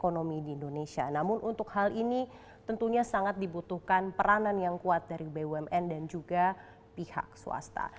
namun untuk hal ini tentunya sangat dibutuhkan peranan yang kuat dari bumn dan juga pihak swasta